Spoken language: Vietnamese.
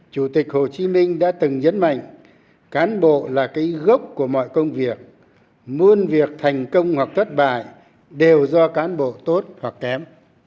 chủ tịch hồ chí minh đã từng nhấn mạnh cán bộ là cái gốc của mọi công việc muôn việc thành công hoặc thất bại đều do cán bộ tốt hoặc kém